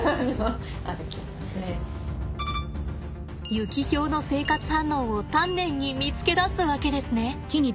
ユキヒョウの生活反応を丹念に見つけ出すわけですね。